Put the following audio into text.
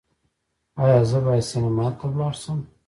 ایا زه باید سینما ته لاړ شم؟